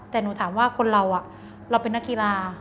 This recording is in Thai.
แต่หนูถามว่าคนเราเราเป็นนักกีฬา